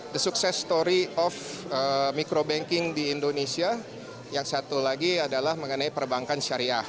the success story of micro banking di indonesia yang satu lagi adalah mengenai perbankan syariah